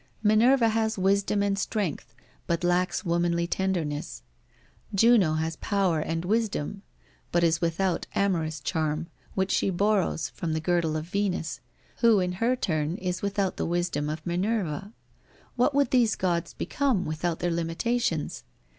Minerva has wisdom and strength, but lacks womanly tenderness; Juno has power and wisdom, but is without amorous charm, which she borrows with the girdle of Venus, who in her turn is without the wisdom of Minerva. What would these Gods become without their limitations?